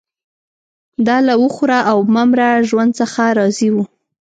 دا له وخوره او مه مره ژوند څخه راضي وو